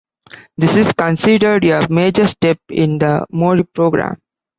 This is considered a major step in the Mori program.